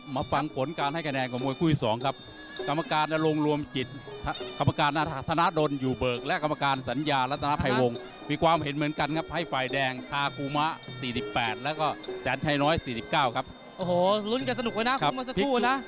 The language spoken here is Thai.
มุมแดงชนะ